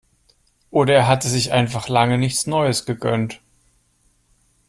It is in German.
Oder er hatte sich einfach lange nichts Neues gegönnt.